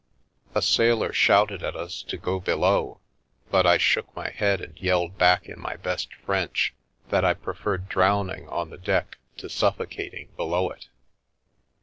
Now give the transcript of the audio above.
A sailor shouted at us to go below, but I shook my head and yelled back in my best French that I preferred drowning on the deck to suffocating below it.